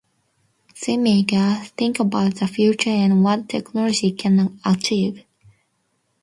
They make us think about the future and what technology can achieve.